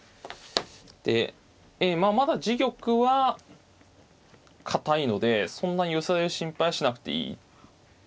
でまだ自玉は堅いのでそんなに寄せられる心配はしなくていい。